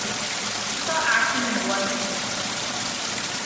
He saw action in one game that season.